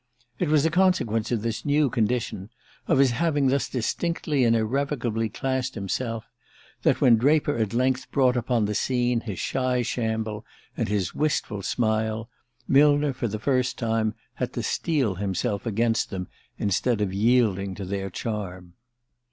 It was a consequence of this new condition of his having thus distinctly and irrevocably classed himself that, when Draper at length brought upon the scene his shy shamble and his wistful smile, Millner, for the first time, had to steel himself against them instead of yielding to their charm.